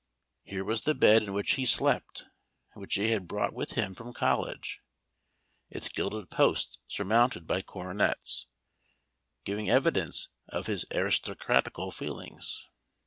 Here was the bed in which he slept, and which he had brought with him from college; its gilded posts surmounted by coronets, giving evidence of his aristocratical feelings.